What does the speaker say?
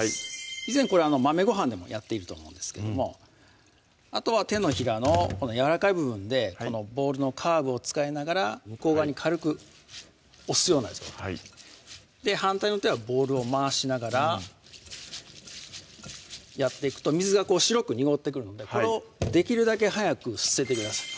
以前これ「豆ご飯」でもやっていると思うんですけどもあとは手のひらのこのやわらかい部分でこのボウルのカーブを使いながら向こう側に軽く押すような状態で反対の手はボウルを回しながらやっていくと水がこう白く濁ってくるのでこれをできるだけ早く捨ててください